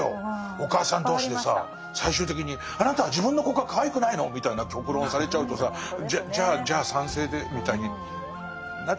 お母さん同士でさ最終的に「あなたは自分の子がかわいくないの？」みたいな極論をされちゃうとさ「じゃじゃあじゃあ賛成で」みたいになっちゃうよね。